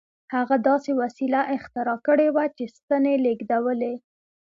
هغه داسې وسیله اختراع کړې وه چې ستنې لېږدولې